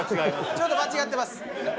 ちょっと間違ってます。